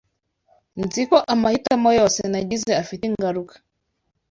Nzi ko amahitamo yose nagize afite ingaruka.